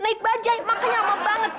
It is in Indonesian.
ya makanya lama banget